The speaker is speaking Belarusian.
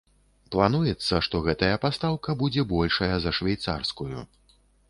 Плануецца, што гэтая пастаўка будзе большая за швейцарскую.